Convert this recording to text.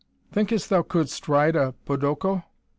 "Thinkest thou couldst ride a podoko?"